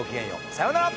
さようなら。